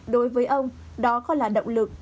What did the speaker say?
đối với ông đó còn là động lực